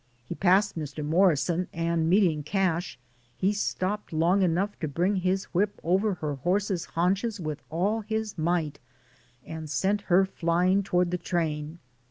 He passed DAYS ON THE ROAD. 91 Mr. Morrison, and meeting Cash, he stopped long enough to bring his whip over her horse's haunches with all his might, and sent her flying toward the train.